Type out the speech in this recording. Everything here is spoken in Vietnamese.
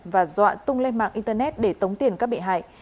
và dọa tung lên mạng internet để tống tiền các bị hại